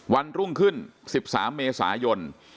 วันรุ่งขึ้น๑๓เมษายน